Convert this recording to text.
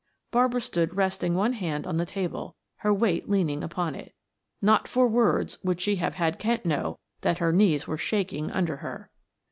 Barbara stood resting one hand on the table, her weight leaning upon it. Not for words would she have had Kent know that her knees were shaking under her.